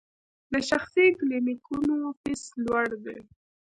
د شخصي کلینیکونو فیس لوړ دی؟